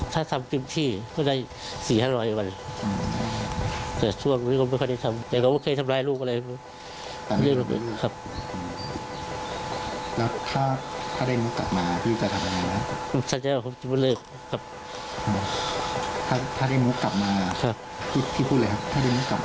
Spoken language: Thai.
ถ้าได้ลูกกลับมาพี่พูดเลยครับถ้าได้ลูกกลับมา